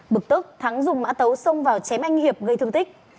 bực tức thắng dùng mã tấu xông vào chém anh hiệp gây thương tích